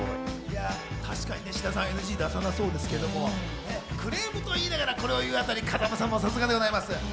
確かに志田さん、ＮＧ出さなそうですけど、クレームといいながら、これを言うあたり、風間さんもさすがでございます。